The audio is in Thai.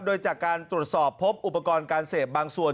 โดยจากการตรวจสอบพบอุปกรณ์การเสพบางส่วน